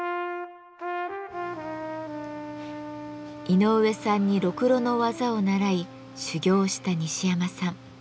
井上さんにろくろの技を習い修業した西山さん